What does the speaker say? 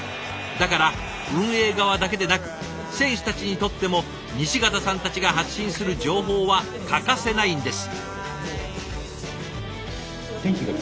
だから運営側だけでなく選手たちにとっても西潟さんたちが発信する情報は欠かせないんです。